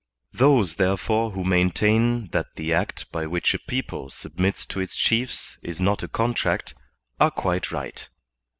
Those therefore who maintain that the act by which a people submits to its chiefs is not a contract are quite right.